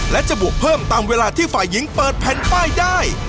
และจะบวกเพิ่มตามเวลาที่ฝ่ายหญิงเปิดแผ่นป้ายได้